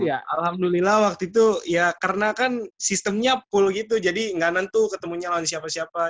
alhamdulillah waktu itu ya karena kan sistemnya pool gitu jadi gak nentu ketemunya lawan siapa siapa